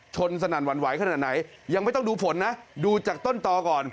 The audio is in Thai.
สนั่นหวั่นไหวขนาดไหนยังไม่ต้องดูฝนนะดูจากต้นตอก่อน